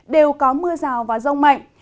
đều có mưa rào và rông mạnh